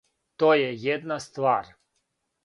То је једна ствар.